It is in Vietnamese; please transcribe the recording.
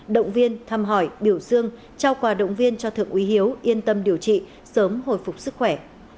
động viên thăm hỏi biểu dương trao quà động viên cho thượng úy hiếu yên tâm điều trị sớm hồi phục sức khỏe